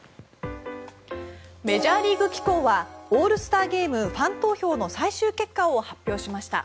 メジャーリーグ機構はオールスターゲームファン投票の最終結果を発表しました。